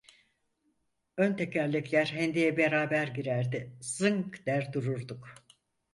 Ön tekerlekler hendeğe beraber girerdi. Zınk der dururduk…